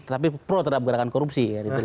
tapi pro terhadap gerakan korupsi